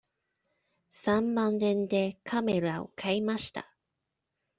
三万円でカメラを買いました。